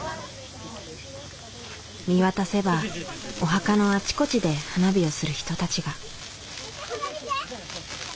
見渡せばお墓のあちこちで花火をする人たちが。